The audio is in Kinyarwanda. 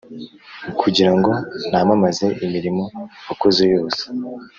Kugira ngo namamaze imirimo wakoze yose